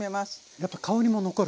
やっぱり香りも残る。